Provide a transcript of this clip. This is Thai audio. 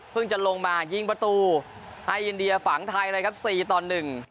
เพิ่งจะลงมายิงประตูให้อินเดียฝังไทยเลยครับ๔ตอน๑